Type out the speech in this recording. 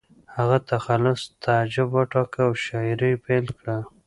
هغه تخلص تعجب وټاکه او شاعري یې پیل کړه